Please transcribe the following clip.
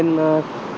em chưa đội lên